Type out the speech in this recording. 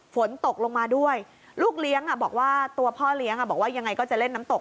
ฝนตกลงมาด้วยลูกเลี้ยงบอกว่าตัวพ่อเลี้ยงบอกว่ายังไงก็จะเล่นน้ำตก